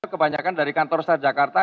kebanyakan dari kantor star jakarta